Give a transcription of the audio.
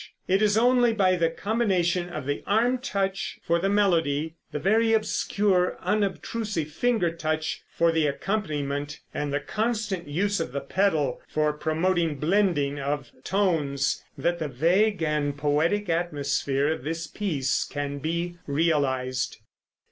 It is only by the combination of the arm touch for the melody, the very obscure, unobtrusive finger touch for the accompaniment, and the constant use of the pedal for promoting blending of tones, that the vague and poetic atmosphere of this piece can be realized.